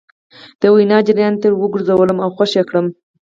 د وينا جريان ته يې ور ګرځولم او خوښ يې کړم.